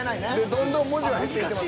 どんどん文字は減っていってます。